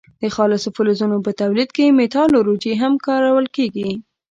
د خالصو فلزونو په تولید یا متالورجي کې هم کارول کیږي.